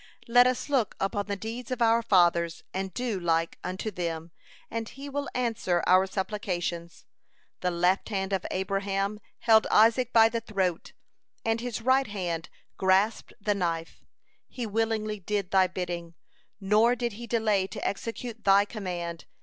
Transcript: Let us look upon the deeds of our fathers and do like unto them, and He will answer our supplications. The left hand of Abraham held Isaac by the throat, and his right hand grasped the knife. He willingly did Thy bidding, nor did he delay to execute Thy command.